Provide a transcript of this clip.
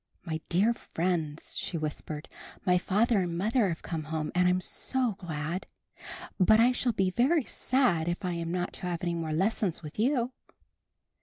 "My dear friends," she whispered. ''My father and mother have come home, and I'm so glad! But I shall be very sad if I am not to have any more lessons with you."